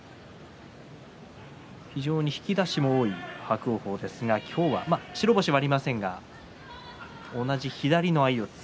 非常に引き出しも多い伯桜鵬ですが今日は白星はありませんが同じ左の相四つ